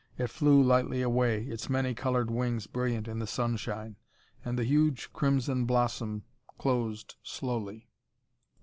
It flew lightly away, its many colored wings brilliant in the sunshine. And the huge crimson blossom closed slowly.